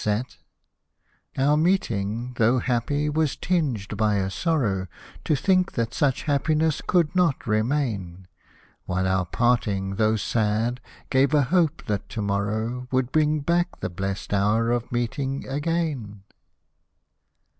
E Hosted by Google so NATIONAL AIRS Our meeting, though happy, was tinged by a sorrow To think that such happiness could not remain ; While our parting, though sad, gave a hope that to morrow Would bring back the blest hour of meeting again.